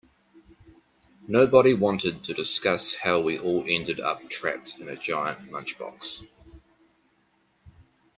Nobody wanted to discuss how we all ended up trapped in a giant lunchbox.